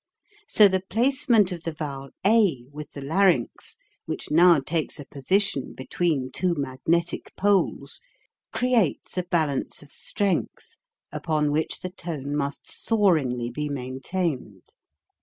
So the placement of the vowel a with the larynx which now takes a position between two magnetic poles creates a balance of strength upon which the tone must soaringly be main tained.